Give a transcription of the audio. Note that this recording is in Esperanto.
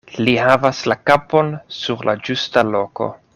Li havas la kapon sur la ĝusta loko.